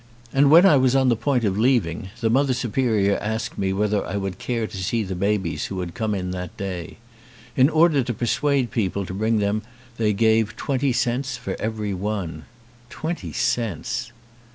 And when I was on the point of leaving the Mother Superior asked me whether I would care to see the babies who had come in that day. In order to persuade people to bring them they gave twenty cents for every one. Twenty cents!